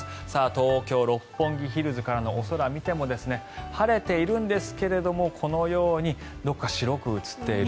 東京・六本木ヒルズからのお空を見ても晴れているんですけどもこのようにどこか白く映っている。